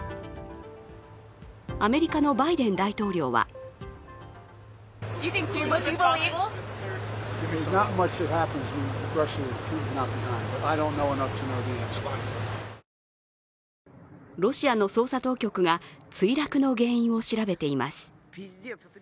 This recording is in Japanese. アメリカのバイデン大統領はロシアの捜査当局が墜落の原因を調べています。